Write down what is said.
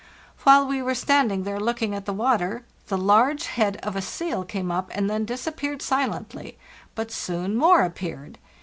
" While we were standing there looking at the water the large head of a seal came up, and then disappeared silently ; but soon more appeared.